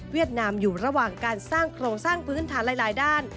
นามอยู่ระหว่างการสร้างโครงสร้างพื้นฐานหลายด้าน